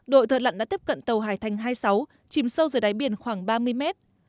đội thợ lặn đã tiếp cận tàu hải thành hai mươi sáu chìm sâu dưới đáy biển khoảng ba mươi mét